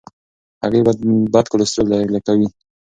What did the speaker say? هګۍ بد کلسترول لږ لري.